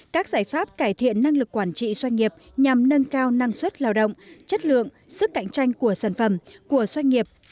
các giải pháp cải thiện năng lực quản trị doanh nghiệp nhằm nâng cao năng suất lao động chất lượng sức cạnh tranh của sản phẩm của doanh nghiệp